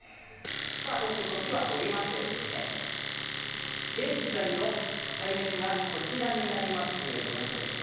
時は飛びまして、現在の鯛めしがこちらになります。